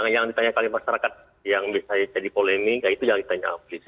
yang ditanya masyarakat yang bisa jadi polemik itu jangan ditanya polis